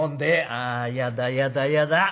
「あやだやだやだ。